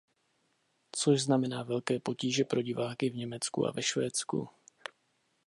Což znamená velké potíže pro diváky v Německu a ve Švédsku.